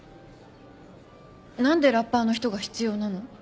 何でラッパーの人が必要なの？